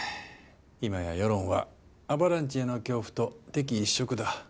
今や世論はアバランチへの恐怖と敵意一色だ。